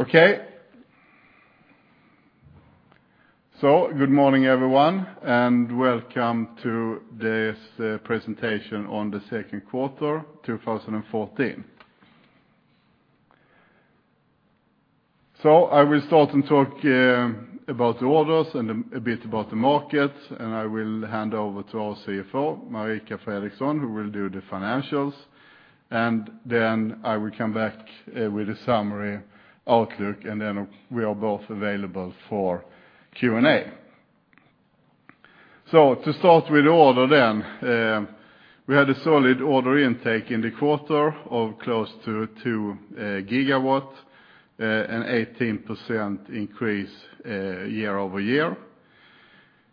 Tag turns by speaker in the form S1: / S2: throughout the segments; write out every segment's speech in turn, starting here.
S1: Okay. So good morning, everyone, and welcome to this presentation on the second quarter 2014. So I will start and talk about the orders and a bit about the market, and I will hand over to our CFO, Marika Fredriksson, who will do the financials. And then I will come back with a summary outlook, and then we are both available for Q&A. So to start with the order then, we had a solid order intake in the quarter of close to 2 gigawatt, an 18% increase year-over-year.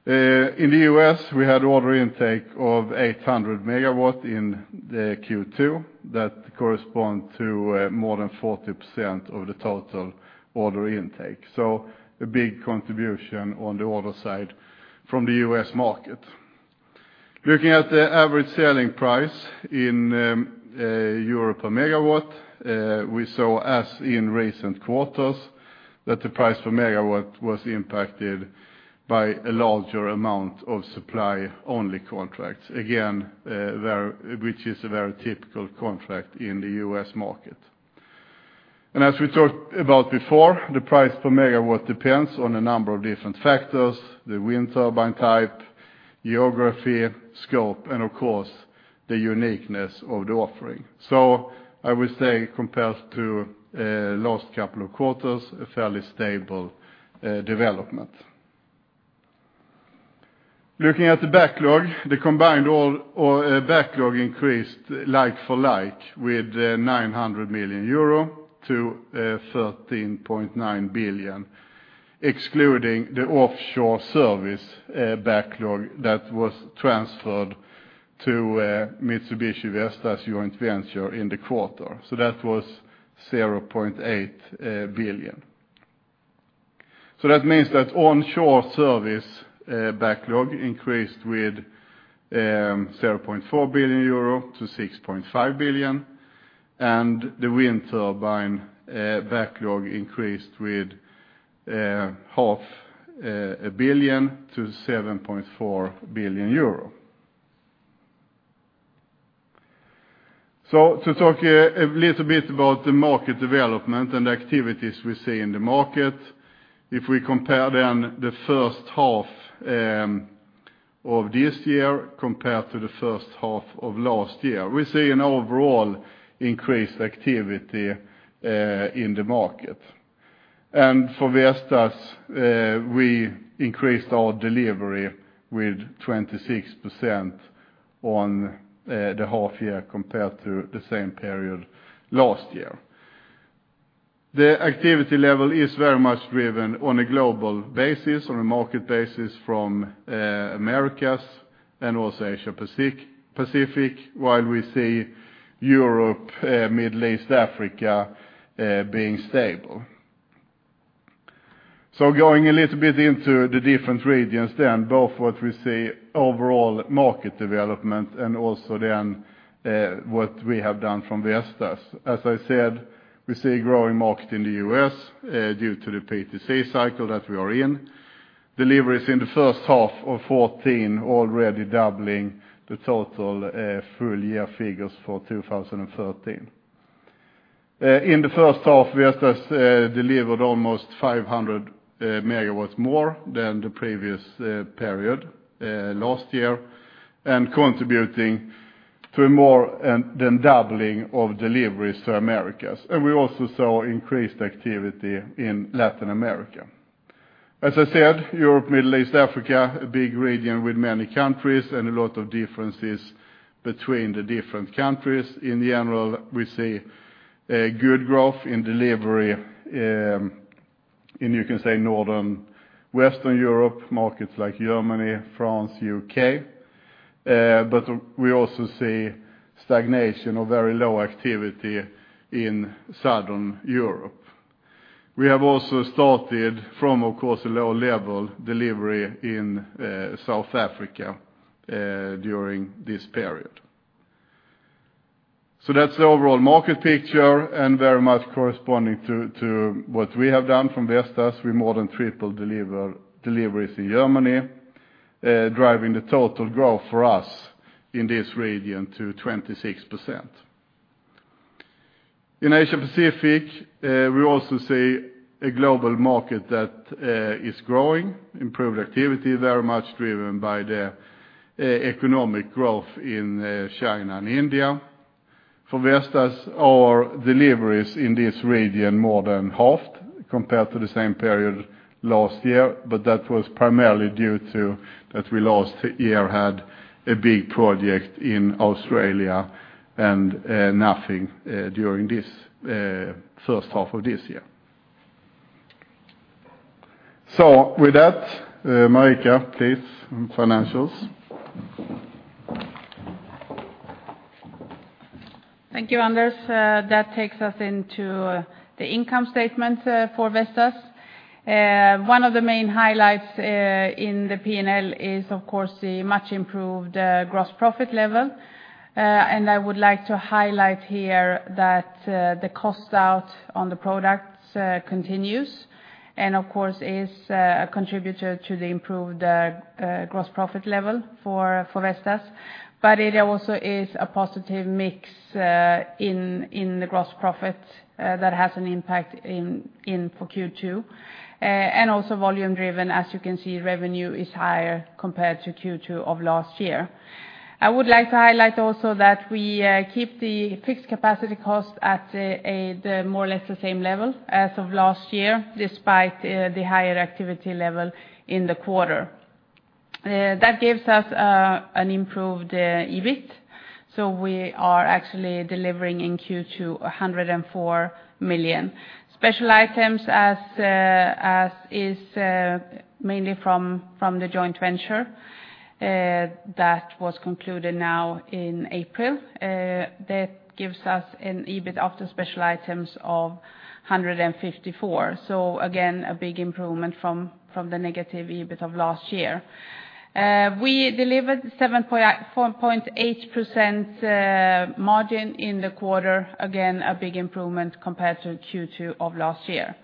S1: In the US, we had order intake of 800 megawatt in the Q2. That correspond to more than 40% of the total order intake, so a big contribution on the order side from the US market. Looking at the average selling price in euro per megawatt, we saw, as in recent quarters, that the price per megawatt was impacted by a larger amount of supply-only contracts. Again, very- which is a very typical contract in the US market. And as we talked about before, the price per megawatt depends on a number of different factors, the wind turbine type, geography, scope, and of course, the uniqueness of the offering. I would say compared to last couple of quarters, a fairly stable development. Looking at the backlog, the combined all backlog increased like-for-like with 900 million euro to 13.9 billion, excluding the offshore service backlog that was transferred to Mitsubishi Vestas joint venture in the quarter. So that was 0.8 billion. That means that onshore service backlog increased with 0.4 billion euro to 6.5 billion, and the wind turbine backlog increased with 0.5 billion to 7.4 billion euro. So to talk a little bit about the market development and the activities we see in the market, if we compare then the first half of this year compared to the first half of last year, we see an overall increased activity in the market. For Vestas, we increased our delivery with 26% on the half year compared to the same period last year. The activity level is very much driven on a global basis, on a market basis from Americas and also Asia Pacific, while we see Europe, Middle East, Africa being stable. Going a little bit into the different regions, then, both what we see overall market development and also then, what we have done from Vestas. As I said, we see a growing market in the U.S., due to the PTC cycle that we are in. Deliveries in the first half of 2014 already doubling the total, full year figures for 2013. In the first half, Vestas, delivered almost 500 MW more than the previous, period, last year, and contributing to a more, and then doubling of deliveries to Americas. And we also saw increased activity in Latin America. As I said, Europe, Middle East, Africa, a big region with many countries and a lot of differences between the different countries. In general, we see a good growth in delivery, you can say, Northern, Western Europe, markets like Germany, France, UK, but we also see stagnation or very low activity in Southern Europe. We have also started from, of course, a low-level delivery in South Africa during this period. So that's the overall market picture, and very much corresponding to what we have done from Vestas. We more than tripled deliveries in Germany, driving the total growth for us in this region to 26%. In Asia Pacific, we also see a global market that is growing, improved activity, very much driven by the economic growth in China and India. For Vestas, our deliveries in this region more than halved compared to the same period last year, but that was primarily due to that we last year had a big project in Australia and nothing during this first half of this year. So with that, Marika, please, financials.
S2: Thank you, Anders. That takes us into the income statement for Vestas. One of the main highlights in the P&L is, of course, the much improved gross profit level. And I would like to highlight here that the cost out on the products continues, and of course, is a contributor to the improved gross profit level for Vestas. But it also is a positive mix in the gross profit that has an impact in Q2. And also volume driven, as you can see, revenue is higher compared to Q2 of last year. I would like to highlight also that we keep the fixed capacity cost at the more or less the same level as of last year, despite the higher activity level in the quarter. That gives us an improved EBIT, so we are actually delivering in Q2 104 million. Special items as is mainly from the joint venture that was concluded now in April. That gives us an EBIT after special items of 154 million. So again, a big improvement from the negative EBIT of last year. We delivered 7.48% margin in the quarter, again, a big improvement compared to Q2 of last year.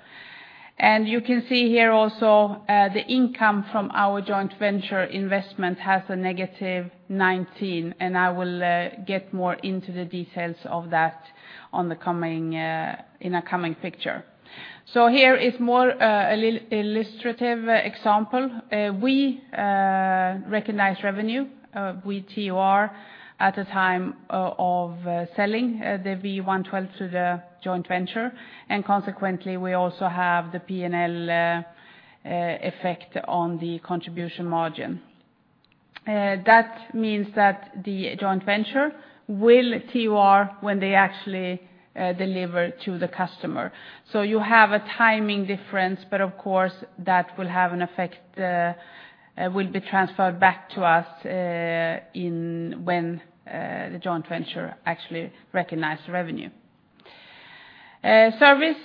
S2: And you can see here also the income from our joint venture investment has a negative 19 million, and I will get more into the details of that in a coming picture. So here is more illustrative example. We recognize revenue, we TOR at the time of selling the V112 to the joint venture, and consequently, we also have the P&L effect on the contribution margin. That means that the joint venture will TOR when they actually deliver to the customer. So you have a timing difference, but of course, that will have an effect, will be transferred back to us in when the joint venture actually recognize revenue. Service,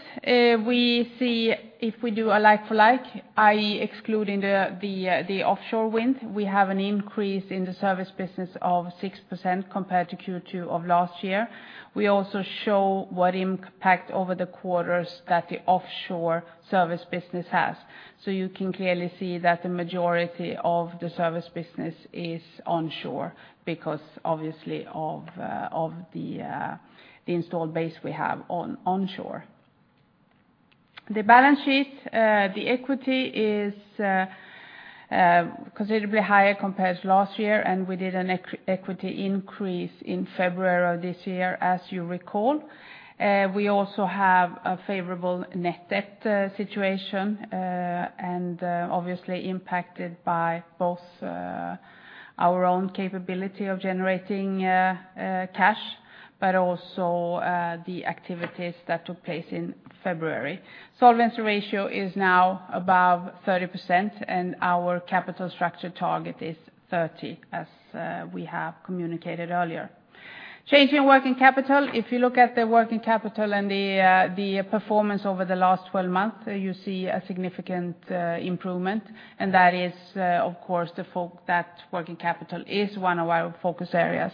S2: we see if we do a like-for-like, i.e., excluding the offshore wind, we have an increase in the service business of 6% compared to Q2 of last year. We also show what impact over the quarters that the offshore service business has. You can clearly see that the majority of the service business is onshore, because obviously of the installed base we have onshore. The balance sheet, the equity is considerably higher compared to last year, and we did an equity increase in February of this year, as you recall. We also have a favorable net debt situation, and obviously impacted by both, our own capability of generating cash, but also the activities that took place in February. Solvency ratio is now above 30%, and our capital structure target is 30, as we have communicated earlier. Change in working capital, if you look at the working capital and the performance over the last 12 months, you see a significant improvement, and that is, of course, that working capital is one of our focus areas.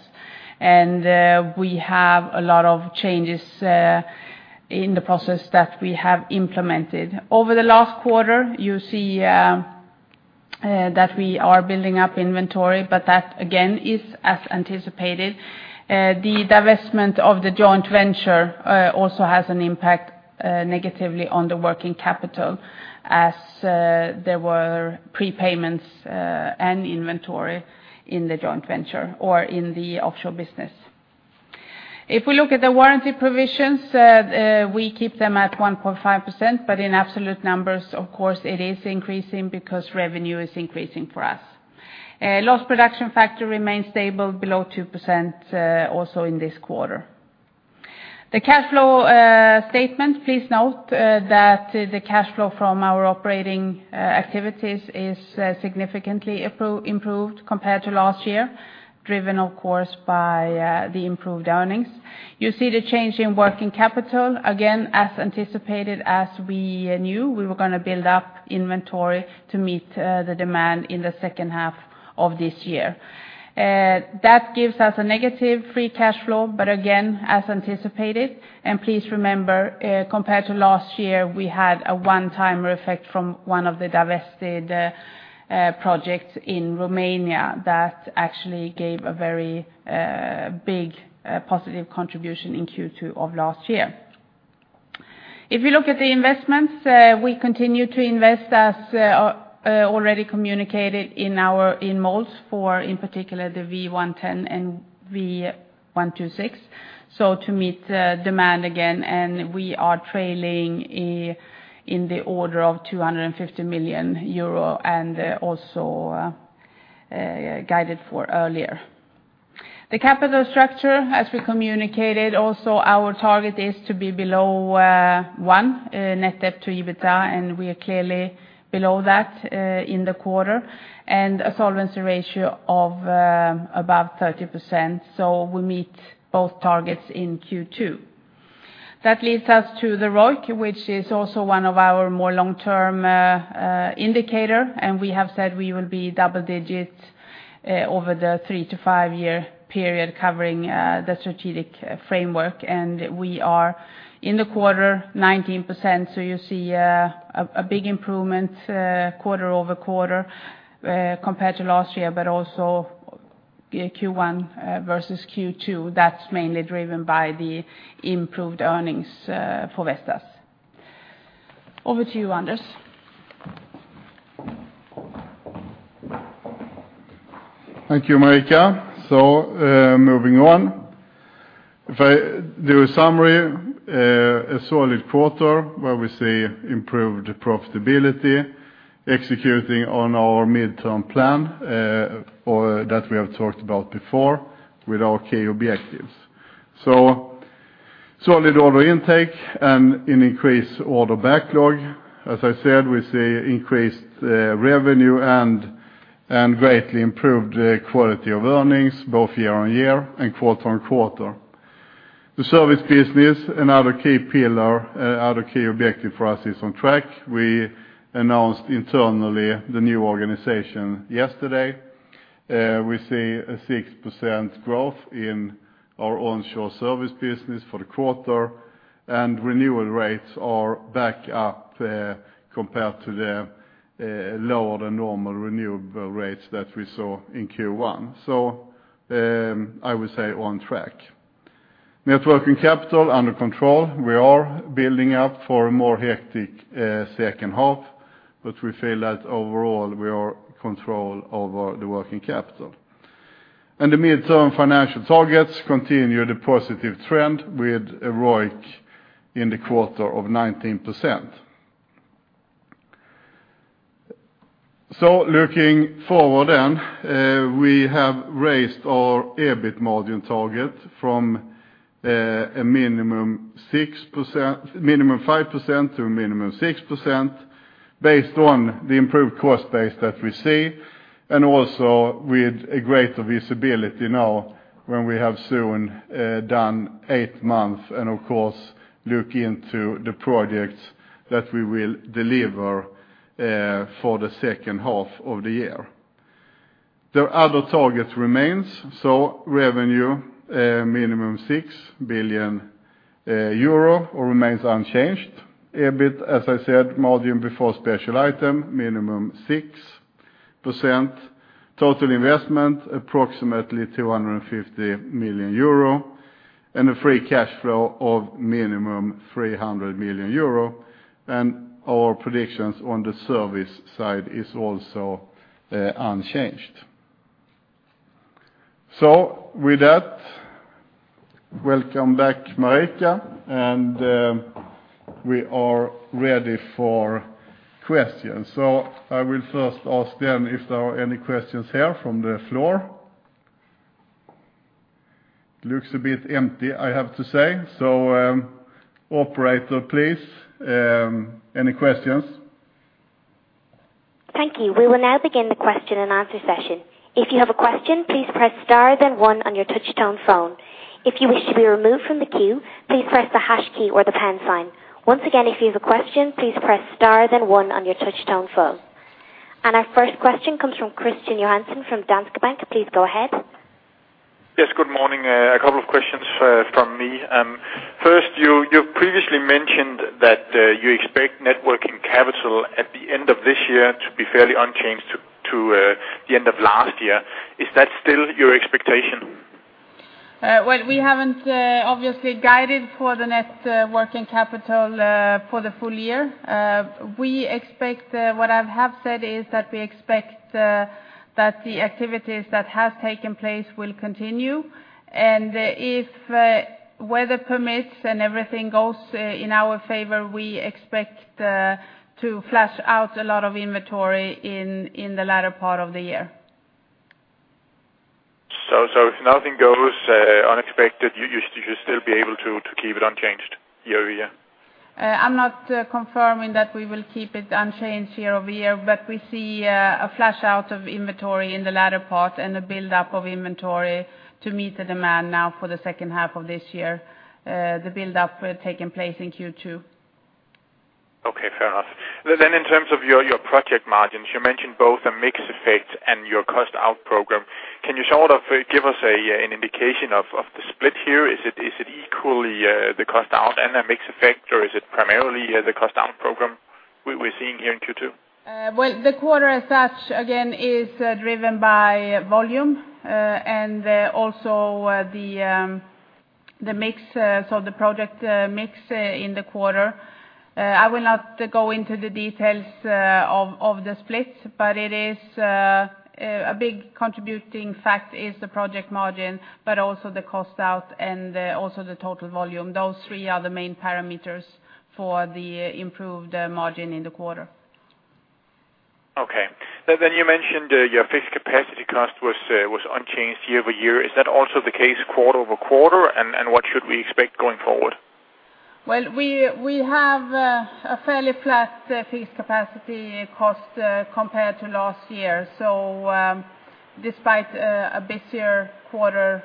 S2: We have a lot of changes in the process that we have implemented. Over the last quarter, you see that we are building up inventory, but that, again, is as anticipated. The divestment of the joint venture also has an impact negatively on the working capital, as there were prepayments and inventory in the joint venture or in the offshore business. If we look at the warranty provisions, we keep them at 1.5%, but in absolute numbers, of course, it is increasing because revenue is increasing for us. Lost production factor remains stable below 2%, also in this quarter. The cash flow statement, please note that the cash flow from our operating activities is significantly improved compared to last year, driven, of course, by the improved earnings. You see the change in working capital, again, as anticipated, as we knew we were gonna build up inventory to meet the demand in the second half of this year. That gives us a negative free cash flow, but again, as anticipated, and please remember, compared to last year, we had a one-time effect from one of the divested projects in Romania that actually gave a very big positive contribution in Q2 of last year. If you look at the investments, we continue to invest, as already communicated in our—in molds for, in particular, the V110 and V126, so to meet demand again, and we are tracking in the order of 250 million euro, and also guided for earlier. The capital structure, as we communicated, also our target is to be below one net debt to EBITDA, and we are clearly below that in the quarter, and a solvency ratio of above 30%, so we meet both targets in Q2. That leads us to the ROIC, which is also one of our more long-term indicator, and we have said we will be double digits over the three to five-year period covering the strategic framework. We are in the quarter 19%, so you see a big improvement quarter-over-quarter compared to last year, but also Q1 versus Q2. That's mainly driven by the improved earnings for Vestas. Over to you, Anders.
S1: Thank you, Marika. So, moving on, if I do a summary, a solid quarter where we see improved profitability, executing on our midterm plan, or that we have talked about before with our key objectives. So solid order intake and an increased order backlog. As I said, we see increased revenue and greatly improved quality of earnings, both year-on-year and quarter-on-quarter. The service business, another key pillar, other key objective for us, is on track. We announced internally the new organization yesterday. We see a 6% growth in our onshore service business for the quarter, and renewal rates are back up compared to the lower than normal renewal rates that we saw in Q1. So, I would say on track. Net working capital under control. We are building up for a more hectic second half, but we feel that overall, we have control over the working capital. And the mid-term financial targets continue the positive trend with a ROIC in the quarter of 19%. So looking forward then, we have raised our EBIT margin target from a minimum 5% to a minimum 6%, based on the improved cost base that we see, and also with a greater visibility now, when we have soon done eight months, and of course, look into the projects that we will deliver for the second half of the year. The other target remains, so revenue minimum 6 billion euro remains unchanged. EBIT, as I said, margin before special item, minimum 6%. Total investment, approximately 250 million euro, and a free cash flow of minimum 300 million euro, and our predictions on the service side is also unchanged. So with that, welcome back, Marika, and we are ready for questions. So I will first ask then if there are any questions here from the floor. Looks a bit empty, I have to say. So, operator, please, any questions?
S3: Thank you. We will now begin the question-and-answer session. If you have a question, please press star, then one on your touchtone phone. If you wish to be removed from the queue, please press the hash key or the pound sign. Once again, if you have a question, please press star, then one on your touchtone phone. Our first question comes from Kristian Johansen from Danske Bank. Please go ahead.
S4: Yes, good morning. A couple of questions from me. First, you, you've previously mentioned that you expect Net Working Capital at the end of this year to be fairly unchanged to the end of last year. Is that still your expectation?
S2: Well, we haven't, obviously, guided for the Net Working Capital for the full year. We expect what I have said is that we expect that the activities that have taken place will continue. And if weather permits and everything goes in our favor, we expect to flush out a lot of inventory in the latter part of the year.
S4: If nothing goes unexpected, you should still be able to keep it unchanged year-over-year?
S2: I'm not confirming that we will keep it unchanged year-over-year, but we see a flush out of inventory in the latter part and a buildup of inventory to meet the demand now for the second half of this year, the buildup taking place in Q2.
S4: Okay, fair enough. Then in terms of your project margins, you mentioned both a mix effect and your cost out program. Can you sort of give us an indication of the split here? Is it equally the cost out and a mix effect, or is it primarily the cost out program we're seeing here in Q2?
S2: Well, the quarter as such, again, is driven by volume, and also the mix, so the project mix in the quarter. I will not go into the details of the split, but it is a big contributing fact is the project margin, but also the Cost Out and also the total volume. Those three are the main parameters for the improved margin in the quarter.
S4: Okay. Then you mentioned your Fixed Capacity Cost was unchanged year-over-year. Is that also the case quarter-over-quarter, and what should we expect going forward?
S2: Well, we have a fairly flat Fixed Capacity Cost compared to last year. So, despite a busier quarter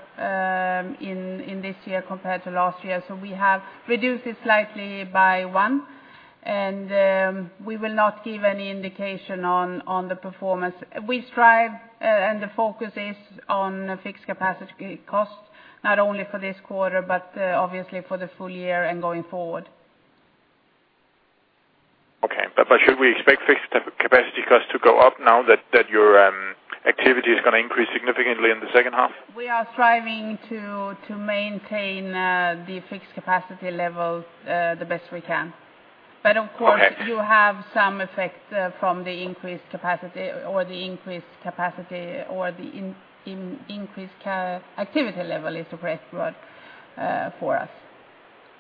S2: in this year compared to last year. So we have reduced it slightly by 1, and we will not give any indication on the performance. We strive, and the focus is on Fixed Capacity Costs, not only for this quarter, but obviously for the full year and going forward.
S4: Okay. But should we expect Fixed Capacity Costs to go up now that your activity is gonna increase significantly in the second half?
S2: We are striving to maintain the fixed capacity level the best we can. But of course-
S4: Okay...
S2: you have some effect from the increased capacity, or the increased capacity, or the increased activity level is the correct word, for us.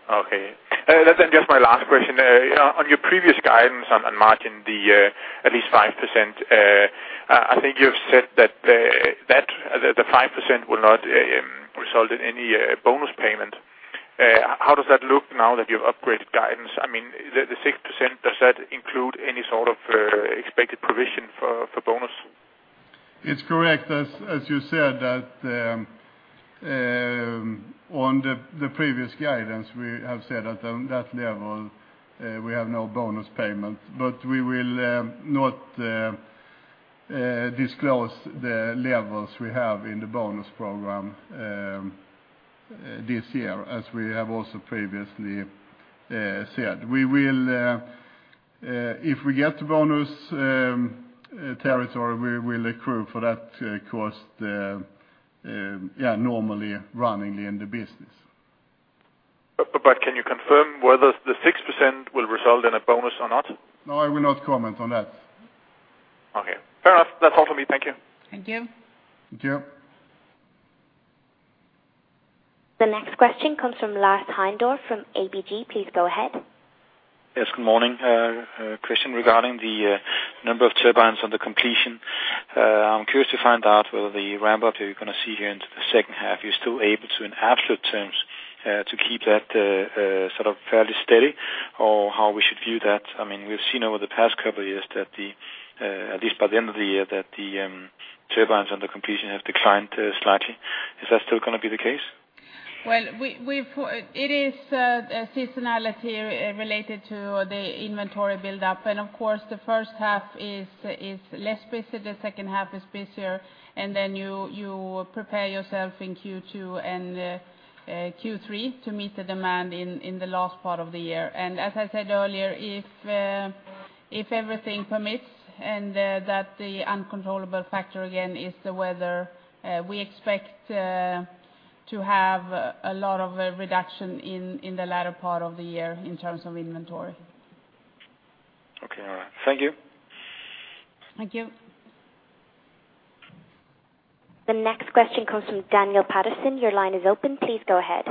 S4: Okay. Then just my last question. On your previous guidance on margin, the at least 5%, I think you've said that the 5% will not result in any bonus payment. How does that look now that you've upgraded guidance? I mean, the 6%, does that include any sort of expected provision for bonus?
S1: It's correct, as you said, that on the previous guidance, we have said that on that level, we have no bonus payment. But we will not disclose the levels we have in the bonus program this year, as we have also previously said. We will, if we get the bonus territory, we will accrue for that cost, yeah, normally, runningly in the business.
S4: But can you confirm whether the 6% will result in a bonus or not?
S1: No, I will not comment on that.
S4: Okay. Fair enough. That's all for me. Thank you.
S2: Thank you.
S1: Thank you.
S3: The next question comes from Lars Heindorff from ABG. Please go ahead.
S5: Yes, good morning. A question regarding the number of turbines on the completion. I'm curious to find out whether the ramp up you're gonna see here into the second half, you're still able to, in absolute terms, to keep that, sort of fairly steady, or how we should view that? I mean, we've seen over the past couple of years that the, at least by the end of the year, that the turbines on the completion have declined, slightly. Is that still gonna be the case?
S2: Well, it is a seasonality related to the inventory buildup. And of course, the first half is less busy, the second half is busier, and then you prepare yourself in Q2 and Q3 to meet the demand in the last part of the year. And as I said earlier, if everything permits, and that the uncontrollable factor again is the weather, we expect to have a lot of reduction in the latter part of the year in terms of inventory.
S5: Okay, all right. Thank you.
S2: Thank you.
S3: The next question comes from Daniel Patterson. Your line is open, please go ahead.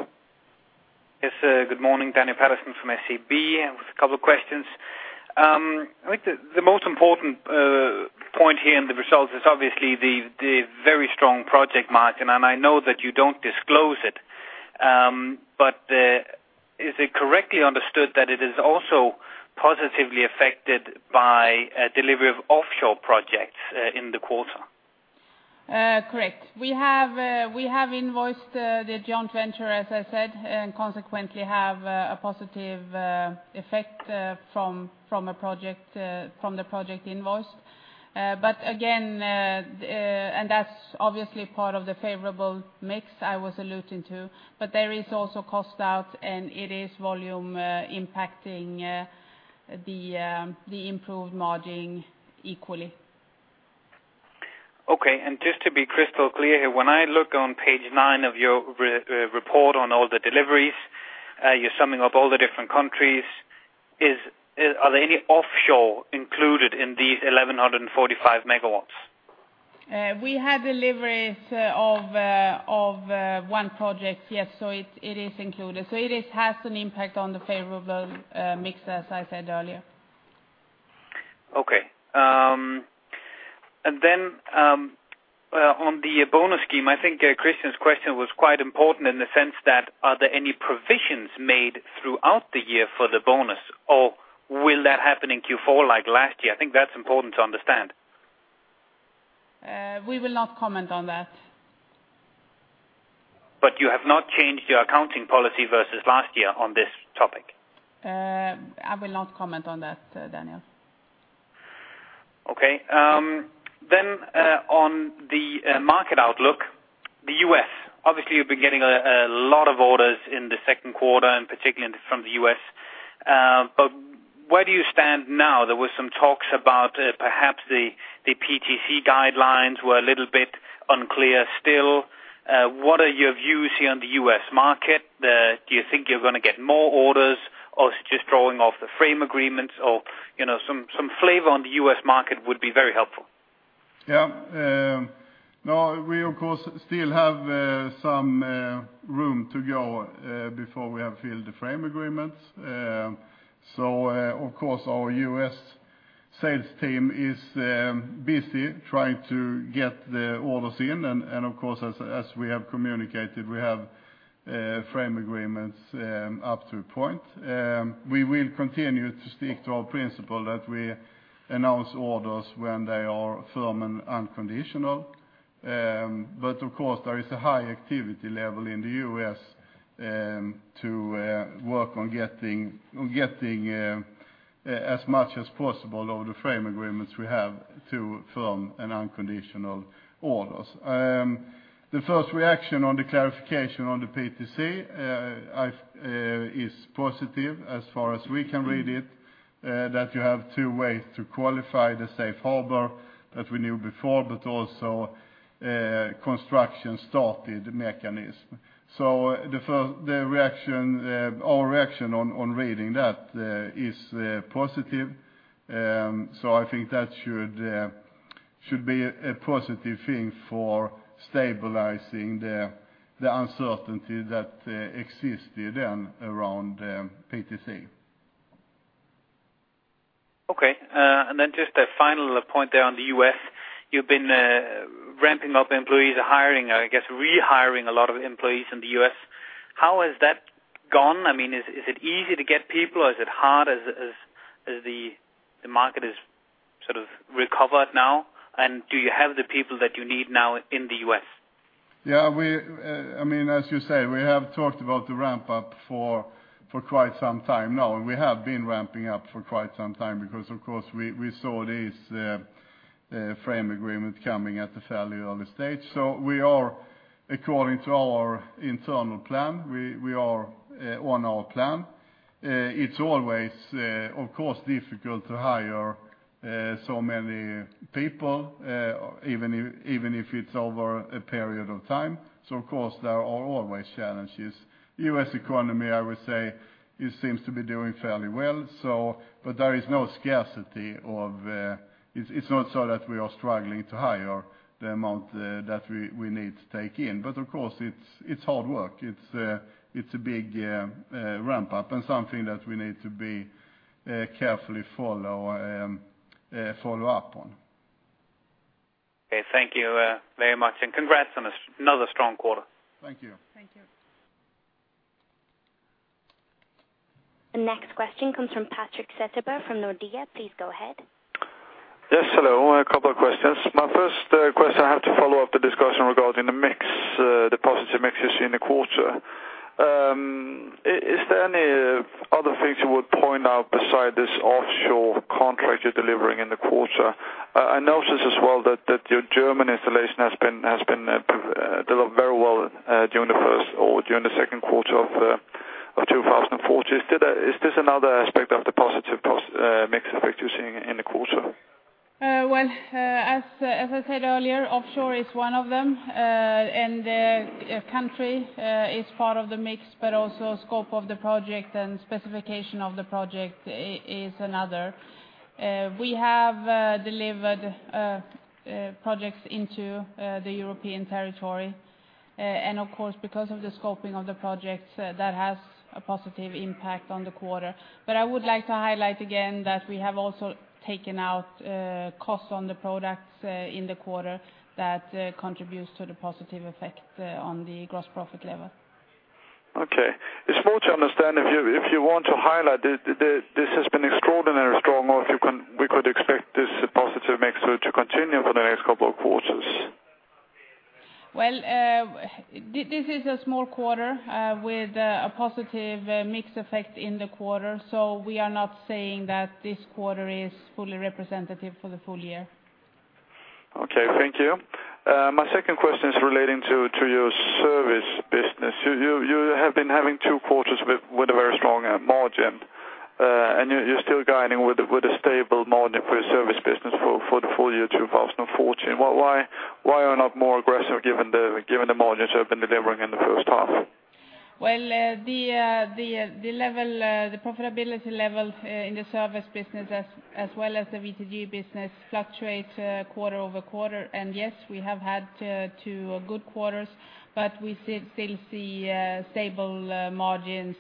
S6: Yes, good morning, Daniel Patterson from SEB, with a couple of questions. I think the, the most important point here in the results is obviously the, the very strong project margin, and I know that you don't disclose it. But, is it correctly understood that it is also positively affected by delivery of offshore projects in the quarter?
S2: Correct. We have invoiced the joint venture, as I said, and consequently have a positive effect from the project invoice. But again, and that's obviously part of the favorable mix I was alluding to, but there is also cost out, and it is volume impacting the improved margin equally.
S6: Okay, and just to be crystal clear here, when I look on page nine of your report on all the deliveries, you're summing up all the different countries, are there any offshore included in these 1,145 megawatts?
S2: We had deliveries of one project, yes, so it is included. So it has an impact on the favorable mix, as I said earlier.
S6: Okay. And then, on the bonus scheme, I think, Kristian's question was quite important in the sense that, are there any provisions made throughout the year for the bonus, or will that happen in Q4 like last year? I think that's important to understand.
S2: We will not comment on that.
S6: You have not changed your accounting policy versus last year on this topic?
S2: I will not comment on that, Daniel.
S6: Okay, then, on the market outlook, the U.S., obviously, you've been getting a lot of orders in the second quarter, and particularly from the U.S. But where do you stand now? There were some talks about perhaps the PTC guidelines were a little bit unclear still. What are your views here on the U.S. market? Do you think you're gonna get more orders, or is it just drawing off the frame agreements or, you know, some flavor on the U.S. market would be very helpful.
S1: Yeah, no, we of course still have some room to go before we have filled the frame agreements. So, of course, our US sales team is busy trying to get the orders in, and of course, as we have communicated, we have frame agreements up to a point. We will continue to stick to our principle that we announce orders when they are firm and unconditional. But of course, there is a high activity level in the US to work on getting as much as possible of the frame agreements we have to firm and unconditional orders. The first reaction on the clarification on the PTC is positive as far as we can read it, that you have two ways to qualify the safe harbor that we knew before, but also, construction started mechanism. So the first reaction, our reaction on reading that, is positive. So I think that should be a positive thing for stabilizing the uncertainty that existed then around PTC.
S6: Okay. And then just a final point there on the US. You've been ramping up employees, hiring, I guess, rehiring a lot of employees in the US. How has that gone? I mean, is it easy to get people, or is it hard as the market is sort of recovered now? And do you have the people that you need now in the US?
S1: Yeah, we, I mean, as you say, we have talked about the ramp up for, for quite some time now, and we have been ramping up for quite some time because, of course, we, we saw these framework agreement coming at a fairly early stage. So we are, according to our internal plan, we, we are on our plan. It's always, of course, difficult to hire so many people, even if, even if it's over a period of time. So of course, there are always challenges. U.S. economy, I would say, it seems to be doing fairly well, so, but there is no scarcity of... It's, it's not so that we are struggling to hire the amount that we, we need to take in. But of course, it's, it's hard work. It's a big ramp up and something that we need to be carefully follow up on.
S6: Okay. Thank you, very much, and congrats on another strong quarter.
S1: Thank you.
S2: Thank you.
S3: The next question comes from Patrik Setterberg from Nordea. Please go ahead.
S7: Yes, hello. A couple of questions. My first question, I have to follow up the discussion regarding the mix, the positive mixes in the quarter. Is there any other things you would point out beside this offshore contract you're delivering in the quarter? I noticed as well that your German installation has been developed very well during the first or during the second quarter of 2014. Is that a, is this another aspect of the positive mix effect you're seeing in the quarter?
S2: Well, as I said earlier, offshore is one of them, and country is part of the mix, but also scope of the project and specification of the project is another. We have delivered projects into the European territory, and of course, because of the scoping of the projects, that has a positive impact on the quarter. But I would like to highlight again that we have also taken out costs on the products in the quarter that contributes to the positive effect on the gross profit level.
S7: Okay. It's more to understand if you want to highlight that this has been extraordinarily strong, or if you can, we could expect this positive mix to continue for the next couple of quarters?
S2: Well, this is a small quarter with a positive mix effect in the quarter, so we are not saying that this quarter is fully representative for the full year.
S7: Okay, thank you. My second question is relating to your service business. You have been having two quarters with a very strong margin, and you're still guiding with a stable margin for your service business for the full year 2014. Why you are not more aggressive, given the margins you have been delivering in the first half?
S2: Well, the profitability level in the service business as well as the WTG business fluctuates quarter-over-quarter. And yes, we have had two good quarters, but we still see stable margins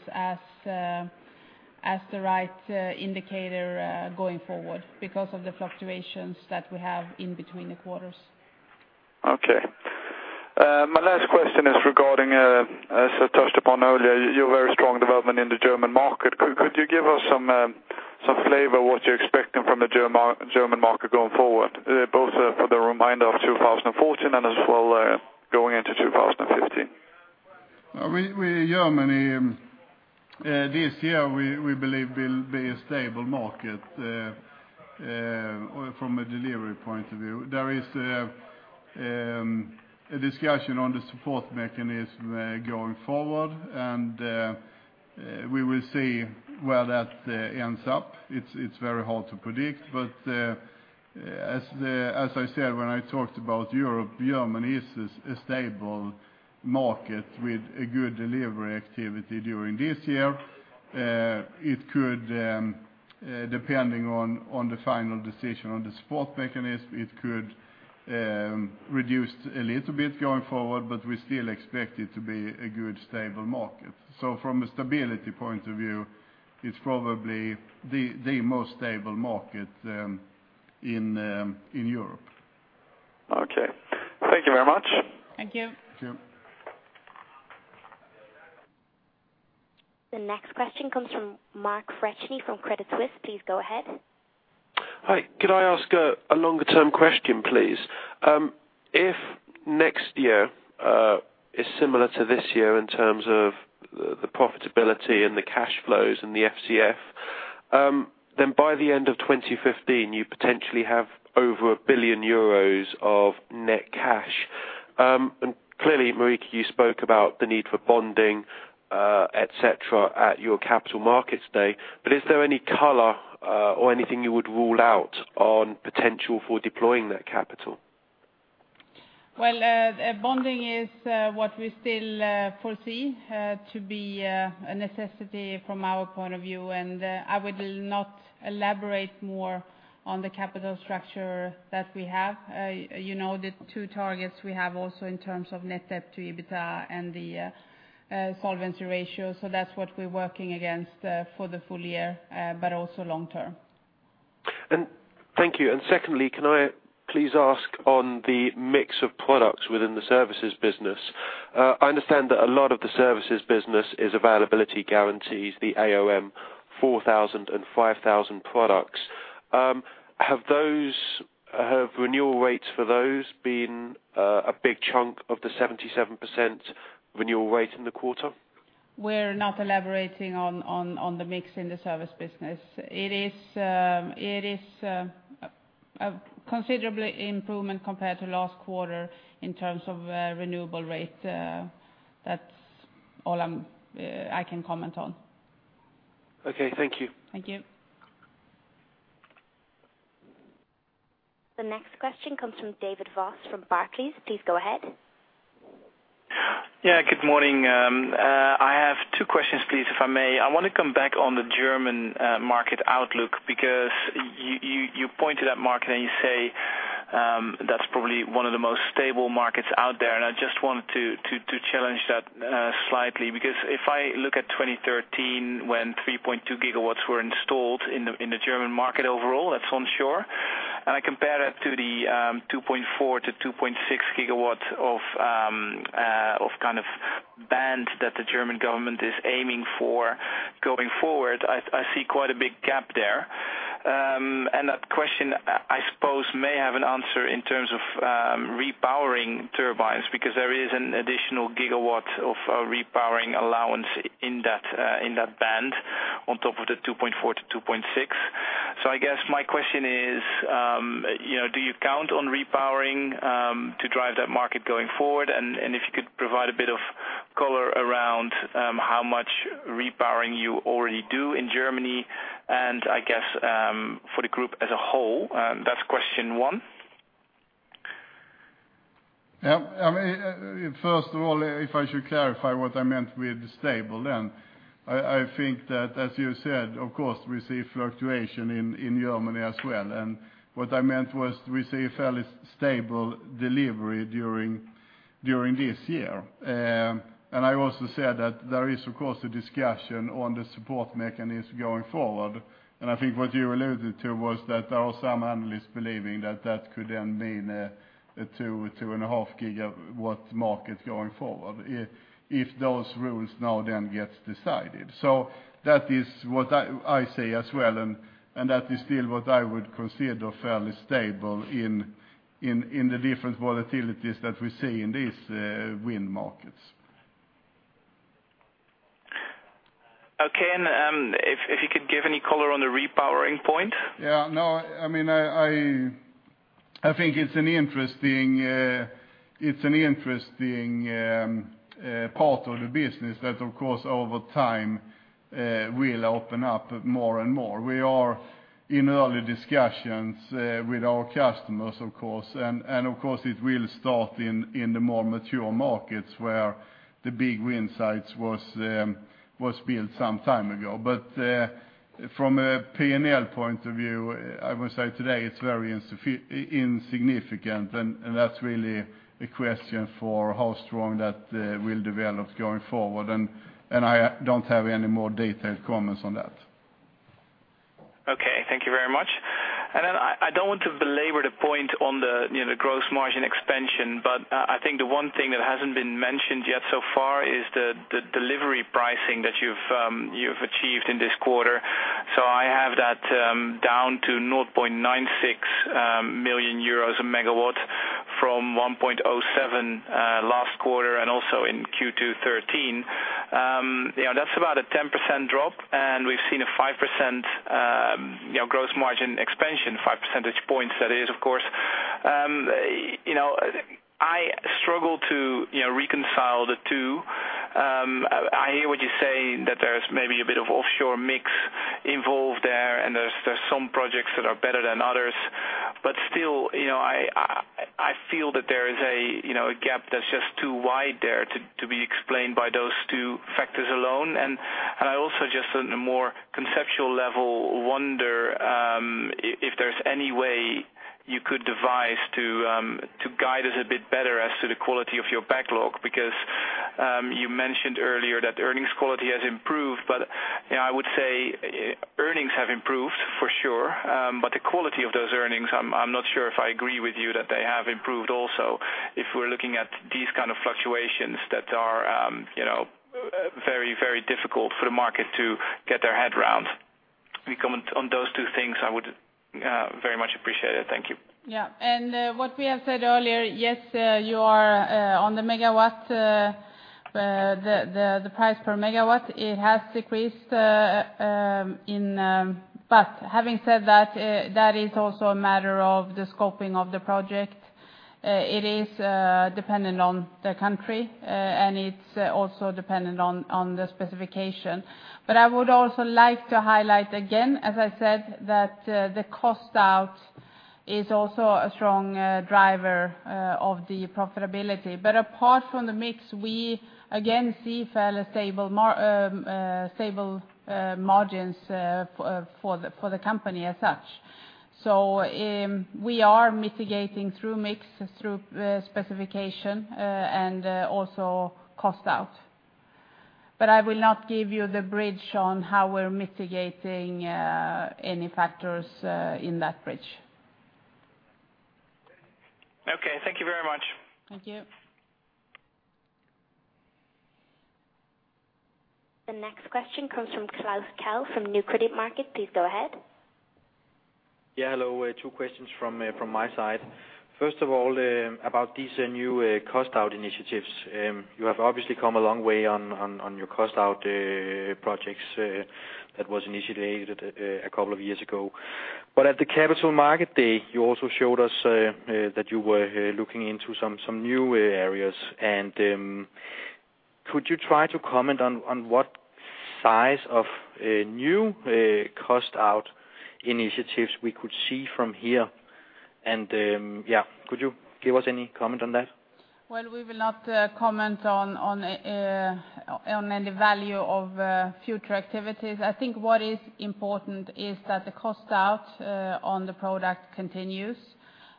S2: as the right indicator going forward because of the fluctuations that we have in between the quarters.
S7: Okay. My last question is regarding, as I touched upon earlier, your very strong development in the German market. Could you give us some flavor what you're expecting from the German market going forward, both for the remainder of 2014 and as well going into 2015?
S1: Germany this year we believe will be a stable market from a delivery point of view. There is a discussion on the support mechanism going forward, and we will see where that ends up. It's very hard to predict, but as I said, when I talked about Europe, Germany is a stable market with a good delivery activity during this year. It could, depending on the final decision on the support mechanism, reduce a little bit going forward, but we still expect it to be a good, stable market. So from a stability point of view, it's probably the most stable market in Europe.
S7: Okay. Thank you very much.
S2: Thank you.
S1: Thank you.
S3: ...The next question comes from Mark Freshney from Credit Suisse. Please go ahead.
S8: Hi, could I ask a longer-term question, please? If next year is similar to this year in terms of the profitability and the cash flows and the FCF, then by the end of 2015, you potentially have over 1 billion euros of net cash. Clearly, Marika, you spoke about the need for bonding, et cetera, at your capital markets day. But is there any color, or anything you would rule out on potential for deploying that capital?
S2: Well, bonding is what we still foresee to be a necessity from our point of view, and I would not elaborate more on the capital structure that we have. You know, the two targets we have also in terms of net debt to EBITDA and the solvency ratio, so that's what we're working against for the full year, but also long term.
S8: Thank you. Secondly, can I please ask on the mix of products within the services business? I understand that a lot of the services business is availability guarantees, the AOM 4000 and 5000 products. Have those renewal rates for those been a big chunk of the 77% renewal rate in the quarter?
S2: We're not elaborating on the mix in the service business. It is a considerably improvement compared to last quarter in terms of renewable rate. That's all I can comment on.
S8: Okay, thank you.
S2: Thank you.
S3: The next question comes from David Voss from Barclays. Please go ahead.
S9: Yeah, good morning. I have two questions, please, if I may. I want to come back on the German market outlook, because you point to that market, and you say that's probably one of the most stable markets out there. I just wanted to challenge that slightly, because if I look at 2013, when 3.2 GW were installed in the German market overall, that's onshore, and I compare that to the 2.4-2.6 GW of kind of band that the German government is aiming for going forward, I see quite a big gap there. That question, I suppose, may have an answer in terms of repowering turbines, because there is an additional gigawatt of repowering allowance in that band, on top of the 2.4-2.6. So I guess my question is, you know, do you count on repowering to drive that market going forward? And if you could provide a bit of color around how much repowering you already do in Germany, and I guess, for the group as a whole? That's question one.
S1: Yeah, I mean, first of all, if I should clarify what I meant with stable, then I think that, as you said, of course, we see fluctuation in Germany as well. And what I meant was we see a fairly stable delivery during this year. And I also said that there is, of course, a discussion on the support mechanism going forward. And I think what you alluded to was that there are some analysts believing that that could then mean a 2-2.5 GW market going forward, if those rules now then get decided. So that is what I see as well, and that is still what I would consider fairly stable in the different volatilities that we see in these wind markets.
S9: Okay, and if you could give any color on the repowering point?
S1: Yeah, no, I mean, I think it's an interesting part of the business that, of course, over time, will open up more and more. We are in early discussions with our customers, of course, and of course, it will start in the more mature markets, where the big wind sites was built some time ago. But from a P&L point of view, I would say today it's very insignificant, and that's really a question for how strong that will develop going forward. And I don't have any more detailed comments on that.
S9: Okay, thank you very much. Then I don't want to belabor the point on the, you know, the gross margin expansion, but I think the one thing that hasn't been mentioned yet so far is the delivery pricing that you've achieved in this quarter. So I have that down to 0.96 million euros a megawatt from 1.07 million last quarter, and also in Q2 2013. You know, that's about a 10% drop, and we've seen a 5%, you know, gross margin expansion, five percentage points that is, of course. You know, I struggle to, you know, reconcile the two. I hear what you're saying, that there's maybe a bit of offshore mix involved there, and there's some projects that are better than others. Still, you know, I feel that there is, you know, a gap that's just too wide there to be explained by those two factors alone. And I also just, on a more conceptual level, wonder if there's any way you could devise to guide us a bit better as to the quality of your backlog, because you mentioned earlier that earnings quality has improved. But I-
S10: Yeah, I would say, earnings have improved for sure. But the quality of those earnings, I'm not sure if I agree with you that they have improved also, if we're looking at these kind of fluctuations that are, you know, very, very difficult for the market to get their head around. Any comment on those two things, I would very much appreciate it. Thank you.
S2: Yeah. And, what we have said earlier, yes, you are on the megawatt, the price per megawatt, it has decreased, but having said that, that is also a matter of the scoping of the project. It is dependent on the country, and it's also dependent on the specification. But I would also like to highlight again, as I said, that the cost out is also a strong driver of the profitability. But apart from the mix, we again see fairly stable margins for the company as such. So, we are mitigating through mix, through specification, and also cost out. But I will not give you the bridge on how we're mitigating any factors in that bridge.
S10: Okay, thank you very much.
S2: Thank you.
S3: The next question comes from Klaus Kehl, from Nykredit Markets. Please go ahead.
S11: Yeah, hello. Two questions from my side. First of all, about these new Cost Out initiatives. You have obviously come a long way on your Cost Out projects that was initiated a couple of years ago. But at the capital market day, you also showed us that you were looking into some new areas. And could you try to comment on what size of new Cost Out initiatives we could see from here? And yeah, could you give us any comment on that?
S2: Well, we will not comment on any value of future activities. I think what is important is that the cost out on the product continues.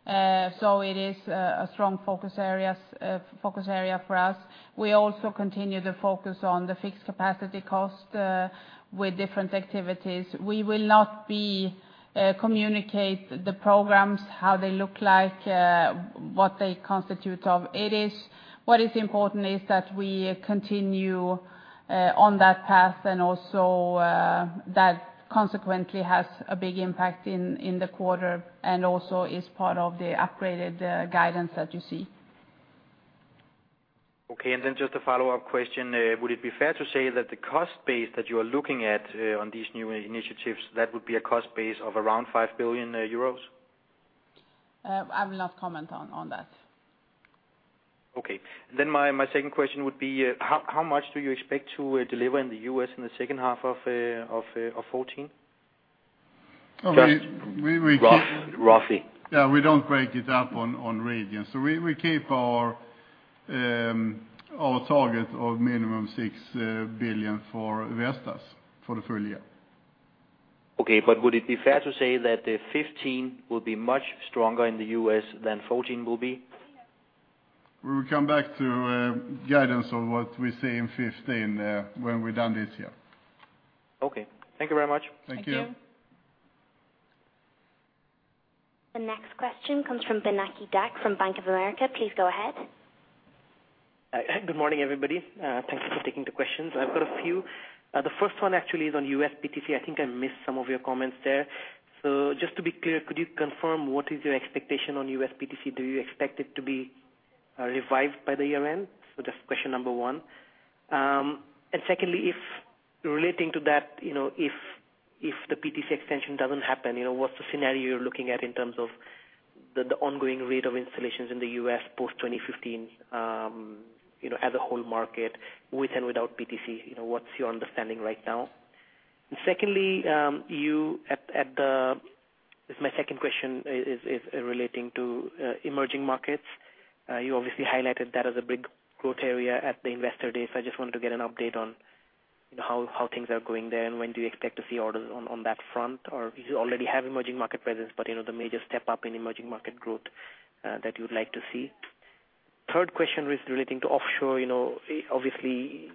S2: So it is a strong focus area for us. We also continue to focus on the fixed capacity cost with different activities. We will not communicate the programs, how they look like, what they constitute of. What is important is that we continue on that path and also that consequently has a big impact in the quarter, and also is part of the upgraded guidance that you see.
S11: Okay, and then just a follow-up question. Would it be fair to say that the cost base that you are looking at, on these new initiatives, that would be a cost base of around 5 billion euros?
S2: I will not comment on that.
S11: Okay. Then my second question would be, how much do you expect to deliver in the US in the second half of 2014?
S1: We, we, we-
S11: Rough, roughly.
S1: Yeah, we don't break it up on regions. So we keep our target of minimum 6 billion for Vestas for the full year.
S11: Okay, but would it be fair to say that the 2015 will be much stronger in the U.S. than 2014 will be?
S1: We will come back to guidance on what we see in 2015 when we're done this year.
S11: Okay. Thank you very much.
S1: Thank you.
S2: Thank you.
S3: The next question comes from Pinaki Das from Bank of America. Please go ahead.
S10: Hi, good morning, everybody. Thank you for taking the questions. I've got a few. The first one actually is on U.S. PTC. I think I missed some of your comments there. So just to be clear, could you confirm what is your expectation on U.S. PTC? Do you expect it to be revived by the year end? So that's question number one. And secondly, if relating to that, you know, if the PTC extension doesn't happen, you know, what's the scenario you're looking at in terms of the ongoing rate of installations in the U.S. post-2015, you know, as a whole market with and without PTC? You know, what's your understanding right now? And secondly, this is my second question, is relating to emerging markets. You obviously highlighted that as a big growth area at the investor day. So I just wanted to get an update on, you know, how things are going there, and when do you expect to see orders on that front? Or you already have emerging market presence, but, you know, the major step up in emerging market growth that you'd like to see. Third question is relating to offshore. You know, obviously,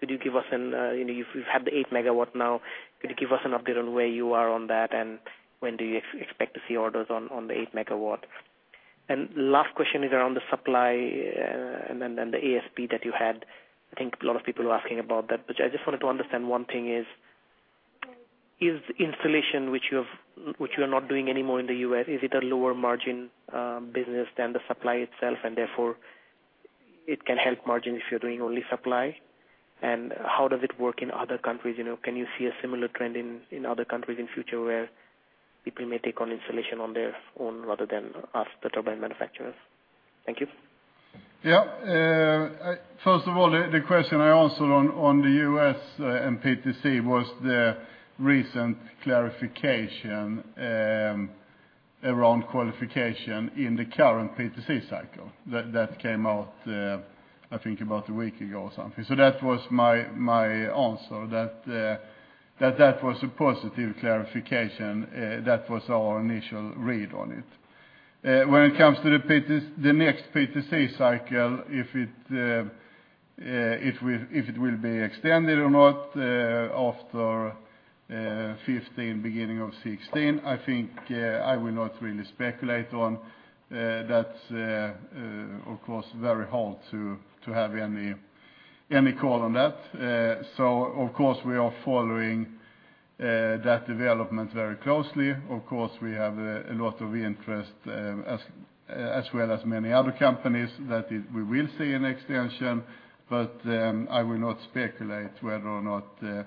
S10: could you give us an, you know, you've had the 8-megawatt now. Could you give us an update on where you are on that, and when do you expect to see orders on the 8-megawatt? And last question is around the supply, and the ASP that you had. I think a lot of people are asking about that, but I just wanted to understand one thing is: Is installation, which you have, which you are not doing anymore in the US, is it a lower margin, business than the supply itself, and therefore it can help margin if you're doing only supply? And how does it work in other countries? You know, can you see a similar trend in other countries in future where people may take on installation on their own rather than us, the turbine manufacturers? Thank you.
S1: Yeah. First of all, the question I answered on the U.S. and PTC was the recent clarification around qualification in the current PTC cycle. That came out, I think about a week ago or something. So that was my answer, that that was a positive clarification. When it comes to the PTC, the next PTC cycle, if it will be extended or not, after 2015, beginning of 2016, I think, I will not really speculate on, that's of course very hard to have any call on that. So of course, we are following that development very closely. Of course, we have a lot of interest, as well as many other companies we will see an extension, but I will not speculate whether or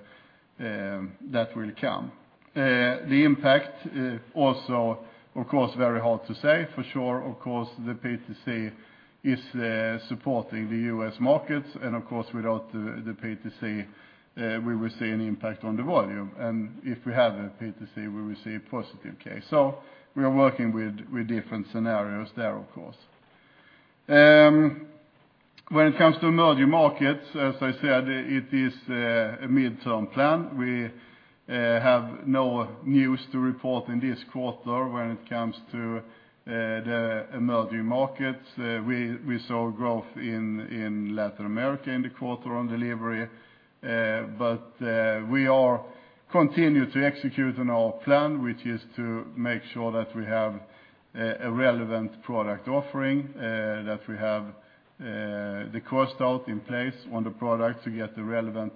S1: not that will come. The impact, also, of course, very hard to say for sure. Of course, the PTC is supporting the U.S. markets, and of course, without the PTC, we will see an impact on the volume. And if we have a PTC, we will see a positive case. So we are working with different scenarios there, of course. When it comes to emerging markets, as I said, it is a midterm plan. We have no news to report in this quarter when it comes to the emerging markets. We saw growth in Latin America in the quarter on delivery, but we are continue to execute on our plan, which is to make sure that we have a relevant product offering, that we have the cost out in place on the product to get the relevant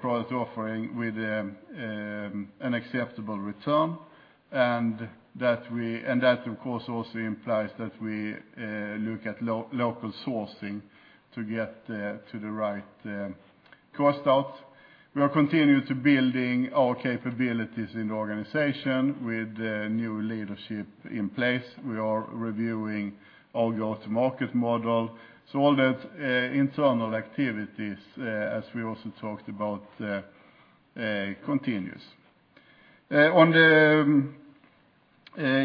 S1: product offering with an acceptable return, and that, of course, also implies that we look at local sourcing to get to the right cost out. We are continuing to building our capabilities in the organization with a new leadership in place. We are reviewing our go-to-market model. So all that internal activities, as we also talked about, continues. On the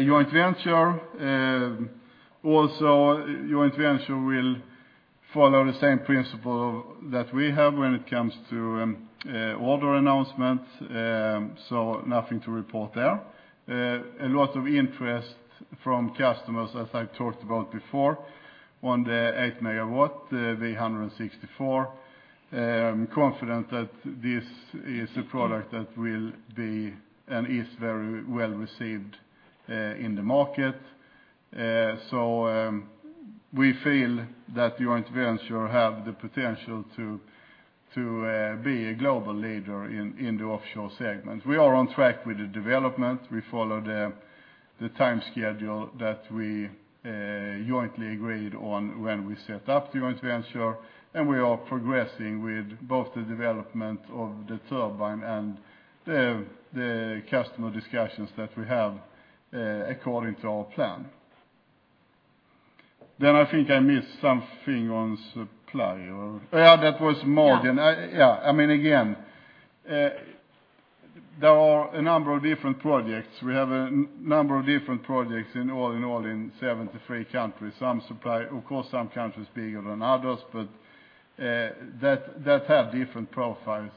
S1: joint venture, also the joint venture will follow the same principle that we have when it comes to order announcements, so nothing to report there. A lot of interest from customers, as I talked about before, on the 8-megawatt, the 164. I'm confident that this is a product that will be, and is very well received in the market. So, we feel that the joint venture have the potential to be a global leader in the offshore segment. We are on track with the development. We follow the time schedule that we jointly agreed on when we set up the joint venture, and we are progressing with both the development of the turbine and the customer discussions that we have according to our plan. Then I think I missed something on supply or... Yeah, that was margin.
S2: Yeah.
S1: Yeah, I mean, again, there are a number of different projects. We have a number of different projects in all, in 73 countries. Some supply, of course, some countries bigger than others, but that have different profiles.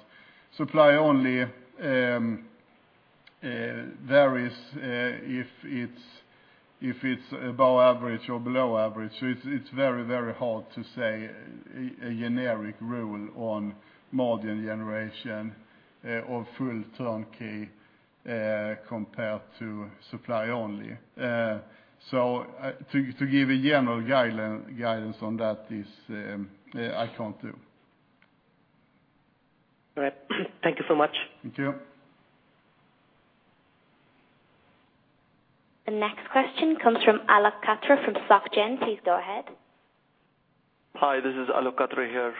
S1: Supply only varies if it's above average or below average. So it's very hard to say a generic rule on margin generation or full turnkey compared to supply only. So to give a general guidance on that is, I can't do.
S12: All right. Thank you so much.
S1: Thank you.
S3: The next question comes from Alok Katre from Soc Gen. Please go ahead.
S13: Hi, this is Alok Katre here,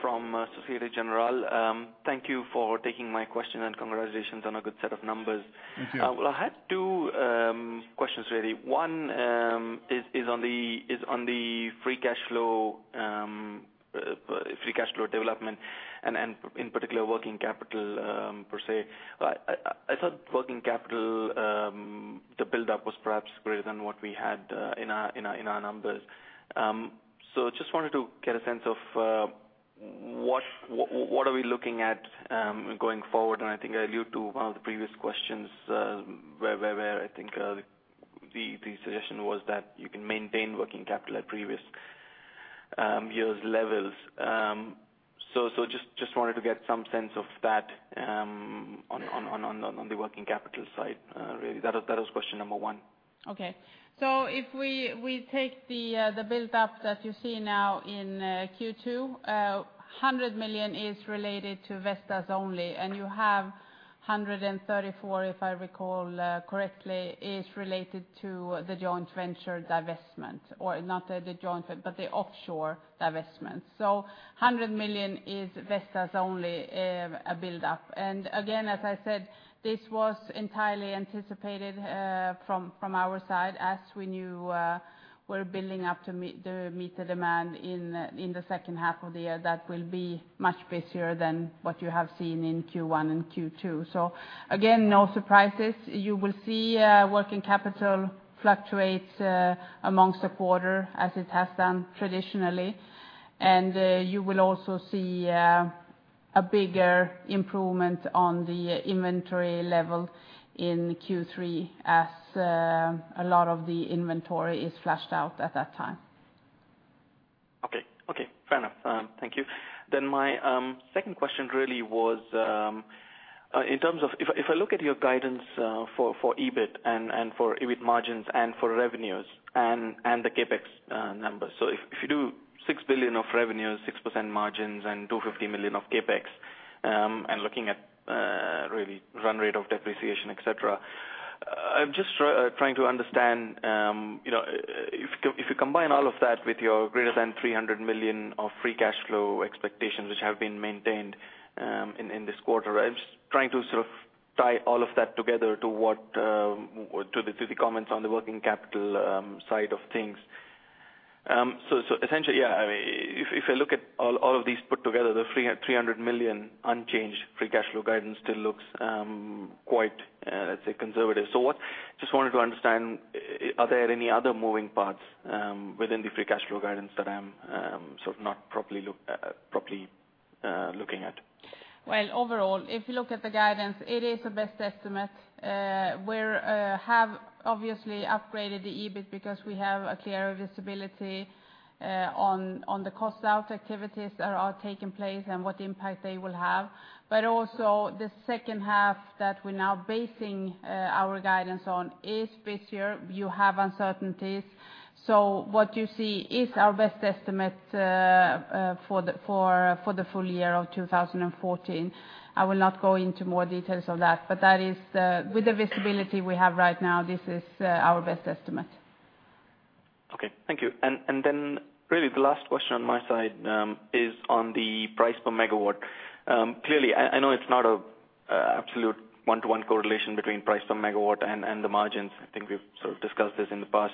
S13: from Société Générale. Thank you for taking my question, and congratulations on a good set of numbers.
S1: Thank you.
S13: Well, I had two questions, really. One is on the Free Cash Flow development and in particular, Working Capital per se. I thought Working Capital the buildup was perhaps greater than what we had in our numbers. So just wanted to get a sense of what are we looking at going forward? And I think I allude to one of the previous questions where I think the suggestion was that you can maintain Working Capital at previous year's levels. So just wanted to get some sense of that on the Working Capital side really. That was question number one.
S2: Okay. So if we take the buildup that you see now in Q2, 100 million is related to Vestas only, and you have 134, if I recall correctly, is related to the joint venture divestment, or not the joint venture, but the offshore divestment. So 100 million is Vestas only, buildup. And again, as I said, this was entirely anticipated from our side, as we knew we're building up to meet the demand in the second half of the year, that will be much busier than what you have seen in Q1 and Q2. So again, no surprises. You will see working capital fluctuates among the quarter, as it has done traditionally, and you will also see... a bigger improvement on the inventory level in Q3 as, a lot of the inventory is flushed out at that time.
S13: Okay, okay, fair enough. Thank you. Then my second question really was in terms of if I look at your guidance for EBIT and for EBIT margins and for revenues and the CapEx numbers. So if you do 6 billion of revenues, 6% margins, and 250 million of CapEx, and looking at really run rate of depreciation, etc., I'm just trying to understand, you know, if you combine all of that with your greater than 300 million of free cash flow expectations which have been maintained in this quarter, I'm just trying to sort of tie all of that together to what to the comments on the working capital side of things. Essentially, yeah, I mean, if I look at all of these put together, the 300 million unchanged free cash flow guidance still looks quite, let's say, conservative. So, just wanted to understand, are there any other moving parts within the free cash flow guidance that I'm sort of not properly looking at?
S2: Well, overall, if you look at the guidance, it is a best estimate. We have obviously upgraded the EBIT because we have a clearer visibility on the cost-out activities that are taking place and what impact they will have. But also, the second half that we're now basing our guidance on is busier. You have uncertainties. So what you see is our best estimate for the full year of 2014. I will not go into more details on that, but that is the... With the visibility we have right now, this is our best estimate.
S13: Okay. Thank you. And then really the last question on my side is on the price per megawatt. Clearly, I know it's not a absolute one-to-one correlation between price per megawatt and the margins. I think we've sort of discussed this in the past.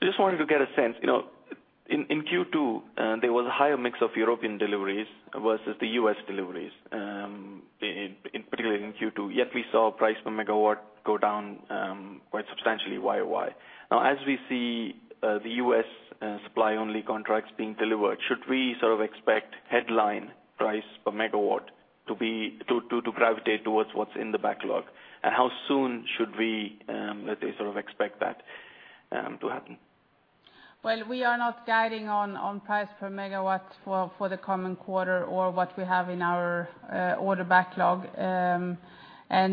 S13: Just wanted to get a sense, you know, in Q2 there was a higher mix of European deliveries versus the U.S. deliveries, in particularly in Q2, yet we saw price per megawatt go down quite substantially YOY. Now, as we see the U.S. supply-only contracts being delivered, should we sort of expect headline price per megawatt to gravitate towards what's in the backlog? And how soon should we, let's say, sort of expect that to happen?
S2: Well, we are not guiding on price per megawatt for the coming quarter or what we have in our order backlog. And,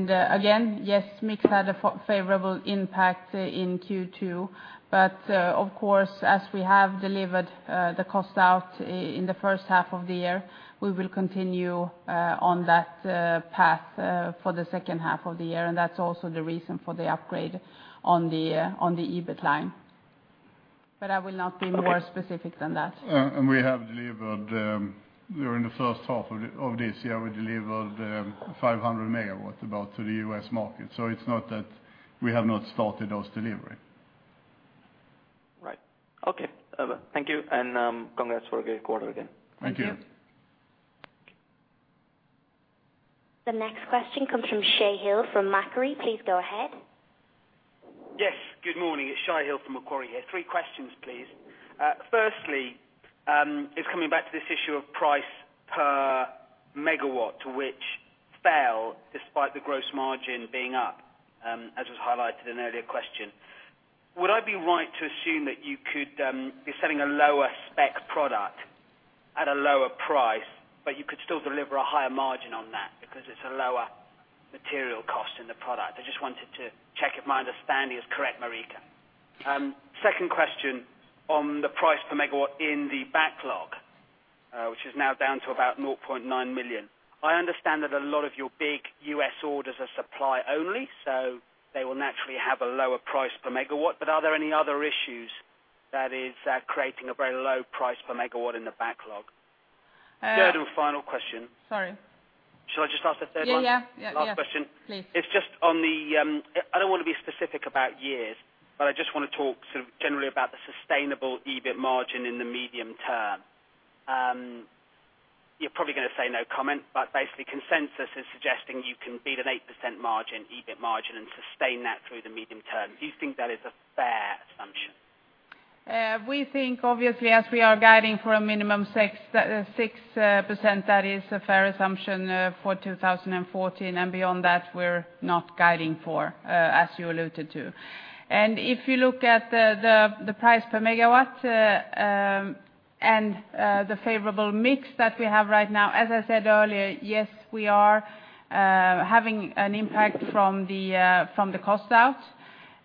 S2: again, yes, mix had a favorable impact in Q2, but, of course, as we have delivered the cost out in the first half of the year, we will continue on that path for the second half of the year, and that's also the reason for the upgrade on the EBIT line. But I will not be more specific than that.
S1: We have delivered during the first half of this year about 500 MW to the U.S. market, so it's not that we have not started those deliveries.
S13: Right. Okay. Thank you, and congrats for a great quarter again.
S1: Thank you.
S2: Thank you.
S3: The next question comes from Shai Hill from Macquarie. Please go ahead.
S14: Yes. Good morning. It's Shai Hill from Macquarie here. Three questions, please. Firstly, it's coming back to this issue of price per megawatt, which fell despite the gross margin being up, as was highlighted in an earlier question. Would I be right to assume that you could be selling a lower spec product at a lower price, but you could still deliver a higher margin on that because it's a lower material cost in the product? I just wanted to check if my understanding is correct, Marika. Second question on the price per megawatt in the backlog, which is now down to about 0.9 million. I understand that a lot of your big U.S. orders are supply only, so they will naturally have a lower price per megawatt, but are there any other issues that is, creating a very low price per megawatt in the backlog? Third and final question.
S2: Sorry.
S14: Should I just ask the third one?
S2: Yeah, yeah. Yeah, yeah.
S14: Last question.
S2: Please.
S14: It's just on the. I don't want to be specific about years, but I just want to talk sort of generally about the sustainable EBIT margin in the medium term. You're probably going to say no comment, but basically, consensus is suggesting you can beat an 8% margin, EBIT margin, and sustain that through the medium term. Do you think that is a fair assumption?
S2: We think, obviously, as we are guiding for a minimum 6%, that is a fair assumption for 2014, and beyond that, we're not guiding for, as you alluded to. If you look at the price per megawatt, and the favorable mix that we have right now, as I said earlier, yes, we are having an impact from the cost out.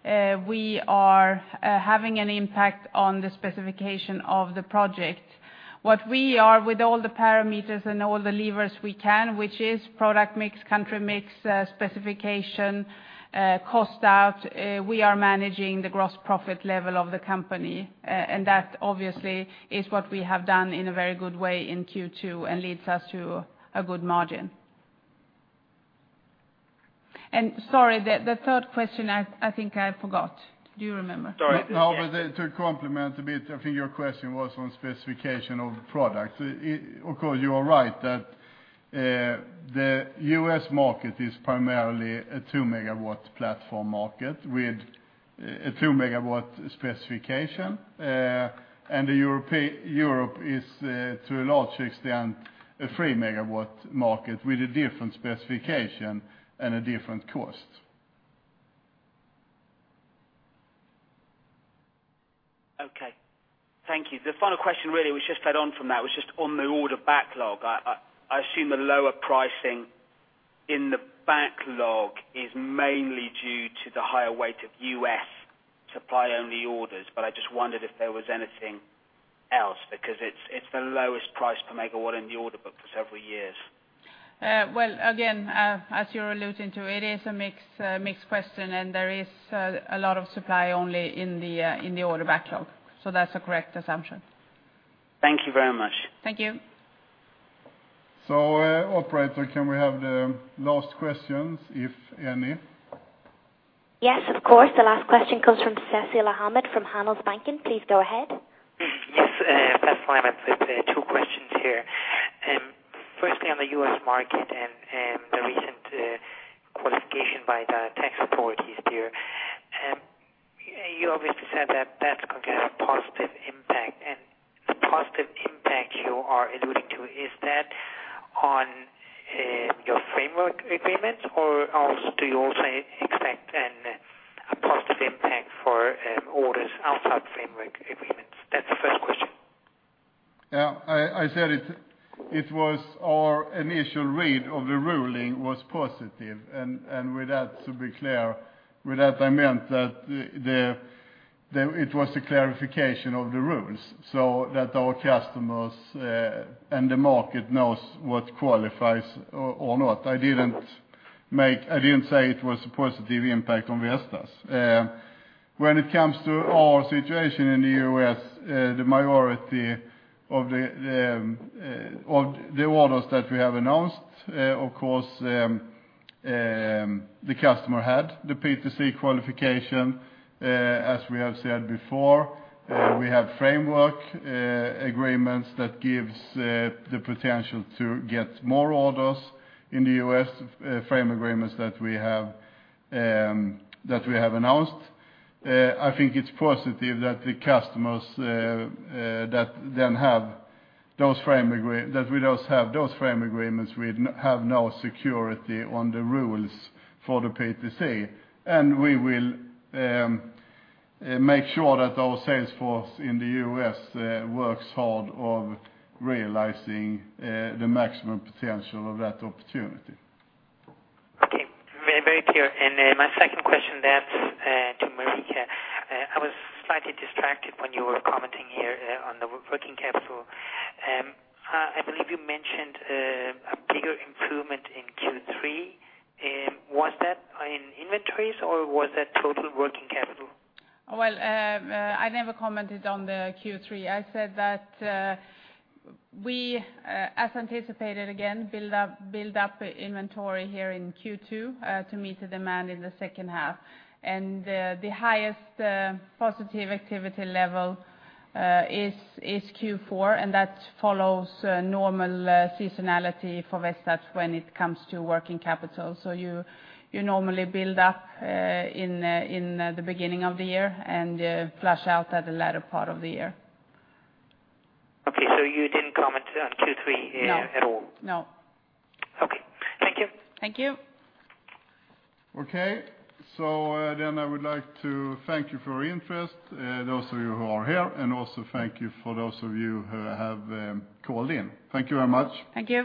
S2: We are having an impact on the specification of the project. What we are, with all the parameters and all the levers we can, which is product mix, country mix, specification, cost out, we are managing the gross profit level of the company, and that obviously is what we have done in a very good way in Q2 and leads us to a good margin. Sorry, the third question, I think I forgot. Do you remember?
S14: Sorry.
S1: No, but to complement a bit, I think your question was on specification of products. Of course, you are right that the U.S. market is primarily a 2-megawatt platform market with a 2-megawatt specification. And Europe is, to a large extent, a 3-megawatt market with a different specification and a different cost.
S14: Okay. Thank you. The final question really was just add-on from that, was just on the order backlog. I assume the lower pricing in the backlog is mainly due to the higher weight of U.S. supply-only orders, but I just wondered if there was anything else, because it's the lowest price per megawatt in the order book for several years.
S2: Well, again, as you're alluding to, it is a mixed, mixed question, and there is a lot of supply only in the in the order backlog. So that's a correct assumption.
S14: Thank you very much.
S2: Thank you.
S1: So, operator, can we have the last questions, if any?
S3: Yes, of course. The last question comes from Faisal Ahmad from Handelsbanken Capital Markets. Please go ahead.
S12: Yes, Cecil Ahmed with two questions here. Firstly, on the U.S. market and the recent qualification by the tax authorities there. You obviously said that that's going to have a positive impact, and the positive impact you are alluding to, is that on your framework agreements? Or also do you also expect a positive impact for orders outside framework agreements? That's the first question.
S1: Yeah, I said it was our initial read of the ruling was positive, and with that, to be clear, with that, I meant that it was a clarification of the rules so that our customers and the market knows what qualifies or not. I didn't say it was a positive impact on Vestas. When it comes to our situation in the U.S., the majority of the orders that we have announced, of course, the customer had the PTC qualification, as we have said before. We have framework agreements that gives the potential to get more orders in the U.S., framework agreements that we have announced. I think it's positive that the customers that we just have those framework agreements with now have security on the rules for the PTC. And we will make sure that our sales force in the U.S. works hard on realizing the maximum potential of that opportunity.
S12: Okay. Very, very clear. My second question then, to Marika. I was slightly distracted when you were commenting here, on the working capital. I believe you mentioned, a bigger improvement in Q3. Was that in inventories, or was that total working capital?
S2: Well, I never commented on the Q3. I said that, as anticipated, again, build up inventory here in Q2 to meet the demand in the second half. The highest positive activity level is Q4, and that follows normal seasonality for Vestas when it comes to working capital. You normally build up in the beginning of the year and flush out at the latter part of the year.
S12: Okay, so you didn't comment on Q3.
S2: No...
S12: at all?
S2: No.
S12: Okay. Thank you.
S2: Thank you.
S1: Okay. So, then I would like to thank you for your interest, those of you who are here, and also thank you for those of you who have called in. Thank you very much.
S2: Thank you.